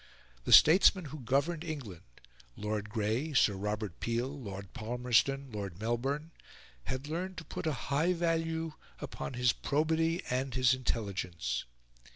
The statesmen who governed England Lord Grey, Sir Robert Peel, Lord Palmerston, Lord Melbourne had learnt to put a high value upon his probity and his intelligence.